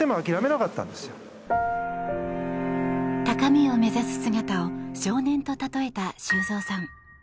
高みを目指す姿を少年と例えた修造さん。